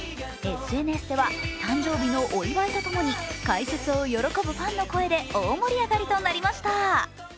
ＳＮＳでは、誕生日のお祝いとともに開設を喜ぶファンの声で大盛り上がりとなりました。